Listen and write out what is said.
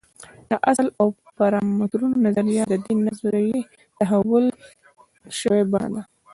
د اصل او پارامترونو نظریه د دې نظریې تحول شوې بڼه ده.